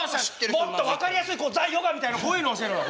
もっと分かりやすいザヨガみたいなこういうの教えろよ。